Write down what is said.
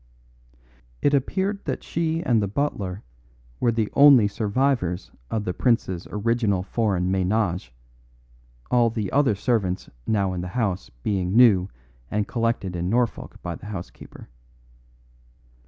It appeared that she and the butler were the only survivors of the prince's original foreign menage the other servants now in the house being new and collected in Norfolk by the housekeeper.